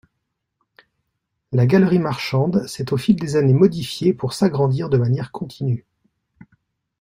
La galerie marchande s'est au fil des années modifiée pour s'agrandir de manière continue.